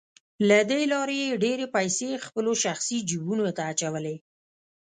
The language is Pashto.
له دې لارې یې ډېرې پیسې خپلو شخصي جیبونو ته اچولې